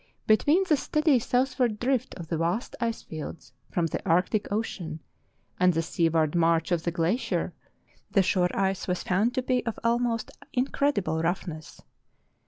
Between the steady southward drift of the vast ice fields from the Arctic Ocean and the seaward march of the glacier the shore ice was found to be of almost incredible roughness.